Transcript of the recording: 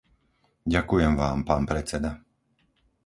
Ďakujem Vám, pán predseda.